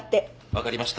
分かりました。